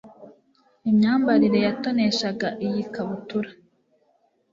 imyambarire yatoneshaga iyi kabutura